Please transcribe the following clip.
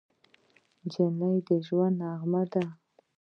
نجلۍ د ژونده نغمه ده.